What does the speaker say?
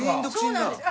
そうなんです。